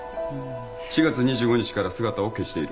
４月２５日から姿を消している。